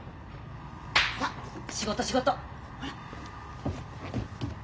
さっ仕事仕事！ほら。